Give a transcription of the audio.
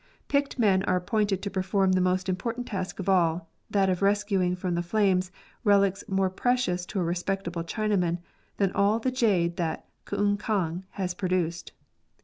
Picked men are appointed to perform the most important task of all, that of rescuing from the flames relics more precious to a respectable Chinaman than all the jade that K un kang has produced.